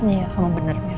iya sama bener